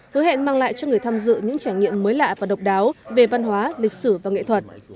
hứa hẹn mang lại cho người tham dự những trải nghiệm mới lạ và độc đáo về văn hóa lịch sử và nghệ thuật